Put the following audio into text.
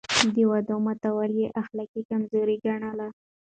د وعدو ماتول يې اخلاقي کمزوري ګڼله.